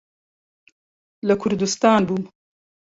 لە کوردستان بووم.